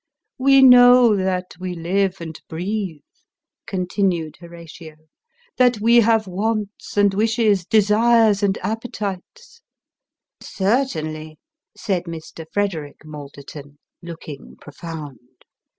" We know that we live and breathe," continued Horatio ;" that we have wants and wishes, desires and appetites "" Certainly," said Mr. Frederick Malderton, looking profound.